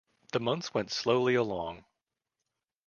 The months went slowly along.